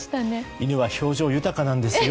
犬は表情豊かなんですよ